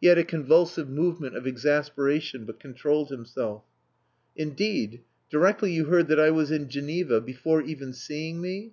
He had a convulsive movement of exasperation, but controlled himself. "Indeed! Directly you heard that I was in Geneva, before even seeing me?